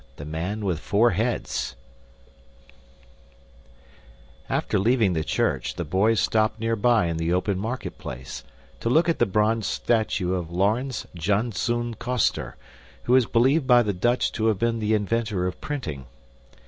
The Man With Four Heads After leaving the church, the boys stopped nearby in the open marketplace, to look at the bronze statue of Laurens Janszoon Coster, who is believed by the Dutch to have been the inventor of printing.